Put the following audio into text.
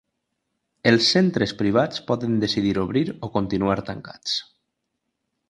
Els centres privats poden decidir obrir o continuar tancats.